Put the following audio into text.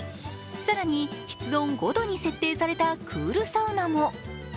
更に、室温５度に設定されたクールサウナも。